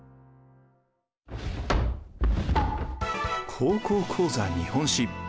「高校講座日本史」。